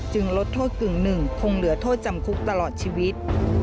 ลดโทษกึ่งหนึ่งคงเหลือโทษจำคุกตลอดชีวิต